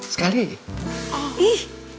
sekali lagi ih